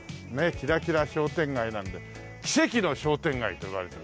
キラキラ商店街なんで奇跡の商店街といわれてるという。